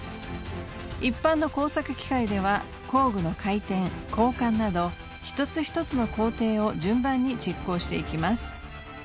一般の工作機械では工具の回転交換など１つ１つの工程を順番に実行していきます。